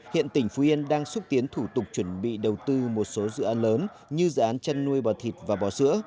hiện tỉnh phú yên đang xúc tiến thủ tục chuẩn bị đầu tư một số dự án lớn như dự án chăn nuôi bò thịt và bò sữa